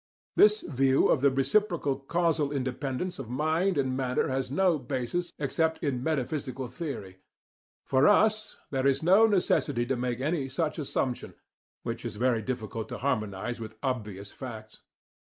This view of the reciprocal causal independence of mind and matter has no basis except in metaphysical theory.* For us, there is no necessity to make any such assumption, which is very difficult to harmonize with obvious facts.